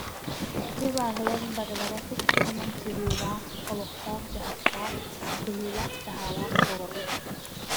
Ити абааһылар барылара тус-туһунан сырыылаах, олохтоох-дьаһахтаах, быһыылаах-таһаалаах буолаллар